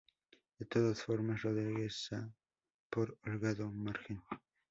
De todas formas, Rodríguez Saá por holgado margen.